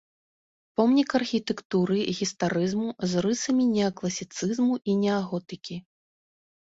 Помнік архітэктуры гістарызму з рысамі неакласіцызму і неаготыкі.